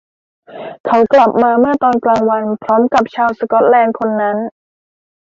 เขากลับมาเมื่อตอนกลางวันพร้อมกับชาวสก็อตแลนด์คนนั้น